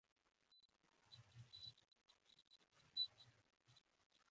Con la vuelta de Bennett, Murphy se vio obligado a jugar como extremo izquierdo.